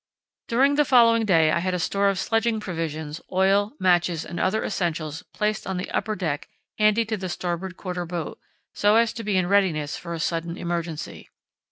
During the following day I had a store of sledging provisions, oil, matches, and other essentials placed on the upper deck handy to the starboard quarter boat, so as to be in readiness for a sudden emergency.